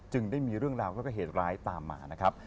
ได้มีเรื่องราวแล้วก็เหตุร้ายตามมานะครับ